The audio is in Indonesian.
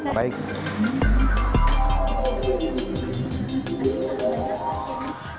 jangan lupa like share dan subscribe